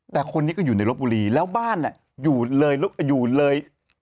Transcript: แต่คนนี้ก็อยู่ในลบบุรีแล้วบ้านอยู่เลยอยู่เลย